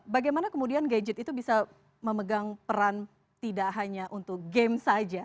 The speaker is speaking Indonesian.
bagaimana kemudian gadget itu bisa memegang peran tidak hanya untuk game saja